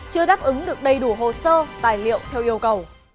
chưa đáp ứng được đầy đủ hồ sơ tài liệu theo yêu cầu